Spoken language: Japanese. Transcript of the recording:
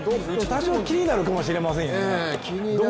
多少気になるかもしれませんよね。